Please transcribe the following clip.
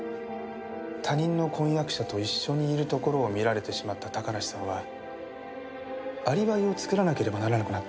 他人の婚約者と一緒にいるところを見られてしまった高梨さんはアリバイを作らなければならなくなったんです。